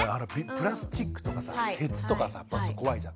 プラスチックとかさ鉄とかさ怖いじゃん。